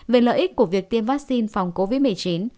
về lợi ích của việc tiêm vaccine phòng covid một mươi chín